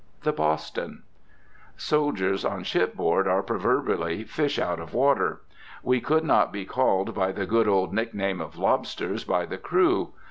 THE "BOSTON." Soldiers on shipboard are proverbially fish out of water. We could not be called by the good old nickname of "lobsters" by the crew.